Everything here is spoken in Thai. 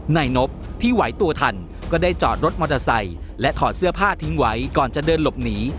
นายนบที่ไหวตัวทันก็ได้จอดรถมอเตอร์ไซค์และถอดเสื้อผ้าทิ้งไว้ก่อนจะเดินหลบหนี